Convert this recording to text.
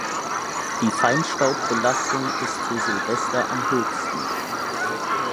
Die Feinstaubbelastung ist zu Silvester am höchsten.